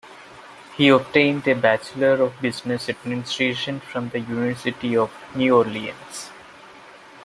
He obtained a Bachelor of Business Administration from the University of New Orleans.